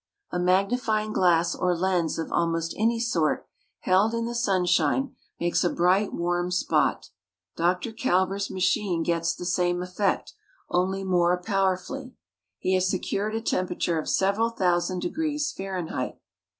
A magnifying glass or lens of almost any sort held in the sunshine makes a bright, warm spot. Dr. Calver's machine gets the same effect, only more powerfully. He has secured a temperature of several thousand degrees Fahrenheit.